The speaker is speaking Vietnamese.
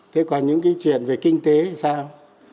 thế còn những cái chuyện về kinh tế sao